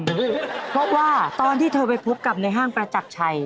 เพราะว่าตอนที่เธอไปพบกับในห้างประจักรชัย